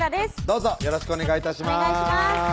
どうぞよろしくお願い致します